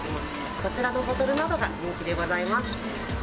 こちらのボトルなどが人気でございます。